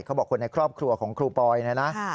เขาบอกว่าคนในครอบครัวของครูปอยนะ